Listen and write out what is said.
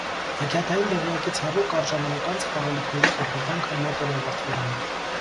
Հեքիաթային դղյակից հեռու կարճ ժամանակ անց խաղալիքների կախարդանքը մոտ էր ավարտվելուն։